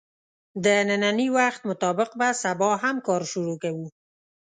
د نني وخت مطابق به سبا هم کار شروع کوو